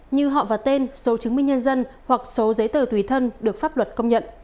như họ và tên số chứng minh nhân dân hoặc số giấy tờ tùy thân được pháp luật công nhận